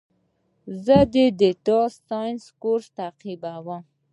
زه د ډیټا ساینس کورس تعقیبوم.